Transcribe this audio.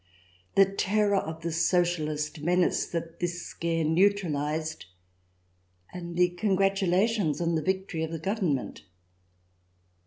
— the terror of the Socialist menace that this scare neutralized, and the congratu lations on the victory of the Government.